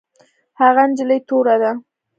هغه نجلۍ توره ده